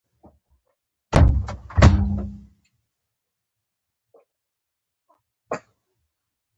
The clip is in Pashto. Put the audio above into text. د انسان زړه د دې یووالي کور دی.